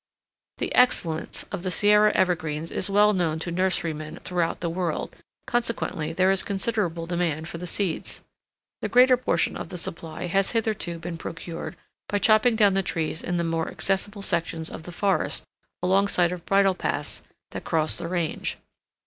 The excellence of the Sierra evergreens is well known to nurserymen throughout the world, consequently there is considerable demand for the seeds. The greater portion of the supply has hitherto been procured by chopping down the trees in the more accessible sections of the forest alongside of bridle paths that cross the range.